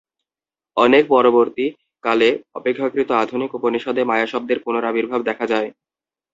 অনেক পরবর্তী কালে অপেক্ষাকৃত আধুনিক উপনিষদে মায়া-শব্দের পুনরাবির্ভাব দেখা যায়।